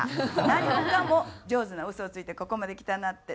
何もかも上手なウソをついてここまできたなって。